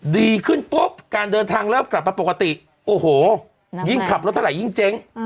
ดีขึ้นปุ๊บการเดินทางเริ่มกลับมาปกติโอ้โหยิ่งขับรถเท่าไหยิ่งเจ๊ง